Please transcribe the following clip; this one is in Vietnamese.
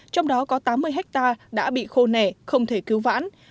trong đó có tám mươi hectare đã bị khô nẻ không thể cứu vãn